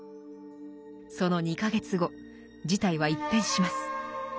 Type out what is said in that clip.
その２か月後事態は一変します。